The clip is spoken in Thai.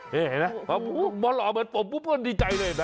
เหมาะหล่อเหมือนปลุ้มดีใจเลยนะ